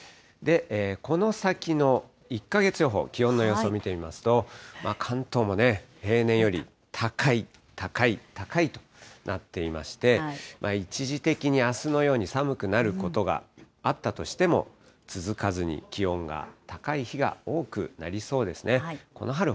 この先の１か月予報、気温の予想を見てみますと、関東も平年より高い、高い、高いとなっていまして、一時的にあすのように寒くなることがあったとしても、続かずに、気温が高い日が多くなりそうですね。